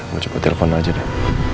mau cepat telepon aja deh